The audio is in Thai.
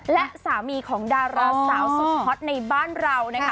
และสามีของดาราสาวสุดฮอตในบ้านเรานะคะ